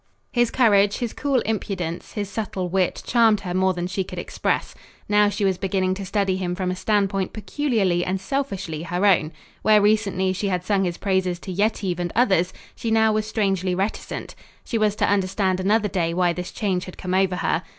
His courage, his cool impudence, his subtle wit charmed her more than she could express. Now she was beginning to study him from a standpoint peculiarly and selfishly her own. Where recently she had sung his praises to Yetive and others, she now was strangely reticent. She was to understand another day why this change had come over her.